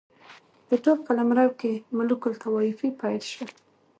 په ټول قلمرو کې ملوک الطوایفي پیل شوه.